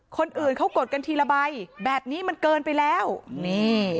คนอื่นเขากดกันทีละใบแบบนี้มันเกินไปแล้วนี่